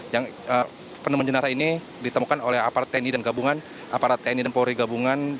yang penemun jenazah ini ditemukan oleh aparat tni dan gabungan aparat tni dan polri gabungan